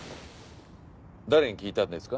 誰に聞いたんですか？